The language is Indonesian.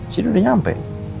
ciri udah nyampe